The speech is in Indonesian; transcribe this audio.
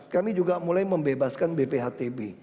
kami juga mulai membebaskan bphtb